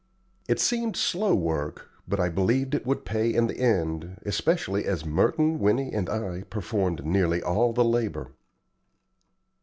It seemed slow work, but I believed it would pay in the end, especially as Merton, Winnie, and I performed nearly all the labor.